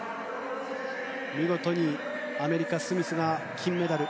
見事にアメリカ、スミスが金メダル。